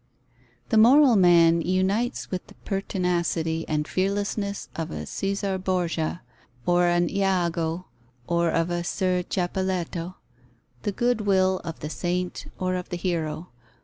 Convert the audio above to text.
_ The moral man unites with the pertinacity and fearlessness of a Caesar Borgia, of an Iago, or of a ser Ciappelletto, the good will of the saint or of the hero.